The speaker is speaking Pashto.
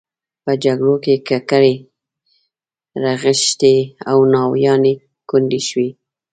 په جګړو کې ککرۍ رغښتې او ناویانې کونډې شوې.